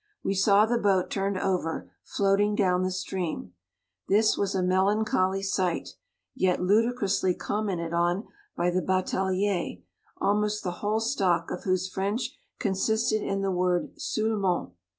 We saw the boat turned over, floating down the stream. This was a melancholy sight, yet ludicrously commented on by the batalier; almost the whole stock of whose French con sisted in the word settlement.